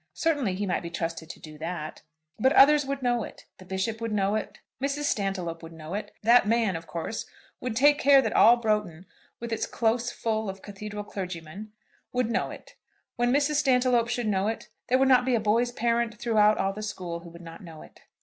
Certainly he might be trusted to do that. But others would know it; the Bishop would know it; Mrs. Stantiloup would know it. That man, of course, would take care that all Broughton, with its close full of cathedral clergymen, would know it. When Mrs. Stantiloup should know it there would not be a boy's parent through all the school who would not know it.